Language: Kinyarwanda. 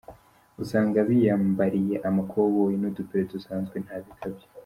Usanga biyambariye amkoboyi n’udupira dusanzwe nta bikabyo.